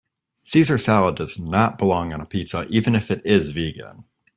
Caesar salad does not belong on a pizza even if it is vegan.